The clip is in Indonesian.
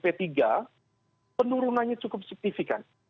p tiga penurunannya cukup signifikan